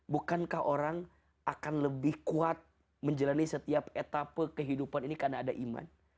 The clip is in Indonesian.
bukankah orang akan lebih kuat menjalani setiap etapa kehidupan ini karena ada iman